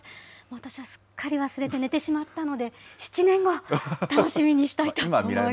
私はすっかり忘れて寝てしまったので、７年後、楽しみにしたいと思います。